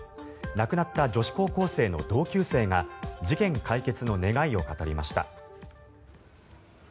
亡くなった女子高校生の同級生が事件解決の願いを語りました。